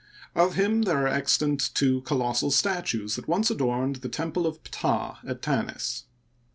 Of him there are extant two colossal statues that once adorned the temple of Ptah at Tanis.